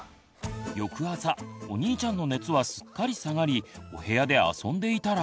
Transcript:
翌朝お兄ちゃんの熱はすっかり下がりお部屋で遊んでいたら。